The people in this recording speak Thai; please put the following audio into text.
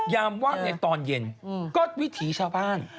ยามว่างในตอนเย็นก็วิถีชาวบ้าน